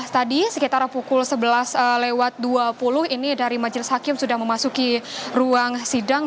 tadi sekitar pukul sebelas lewat dua puluh ini dari majelis hakim sudah memasuki ruang sidang